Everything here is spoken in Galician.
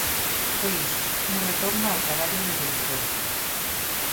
Foi iso, un retorno ao traballo de directora.